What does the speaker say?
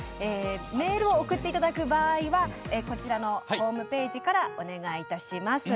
メールを送っていただく場合はホームページからお願いします。